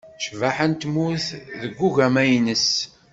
Cbaḥa n tmurt deg ugama-ines